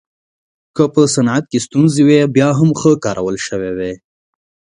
که په صنعت کې ستونزې وای بیا هم ښه کارول شوې وای.